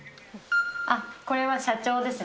あっ、これは社長ですね。